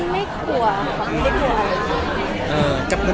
ไม่กลัวแหมได้เบื่อนะ